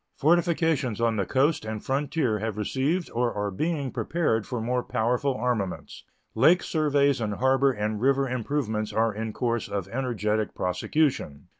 Fortifications on the coast and frontier have received or are being prepared for more powerful armaments; lake surveys and harbor and river improvements are in course of energetic prosecution.